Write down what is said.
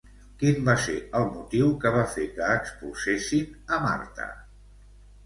Quin va ser el motiu que va fer que expulsessin a Marta?